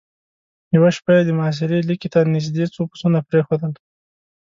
يوه شپه يې د محاصرې ليکې ته نېزدې څو پسونه پرېښودل.